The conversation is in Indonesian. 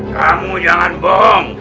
kamu jangan bohong